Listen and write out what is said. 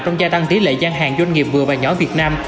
trong gia tăng tỷ lệ gian hàng doanh nghiệp vừa và nhỏ việt nam